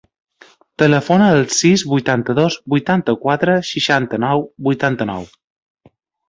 Telefona al sis, vuitanta-dos, vuitanta-quatre, seixanta-nou, vuitanta-nou.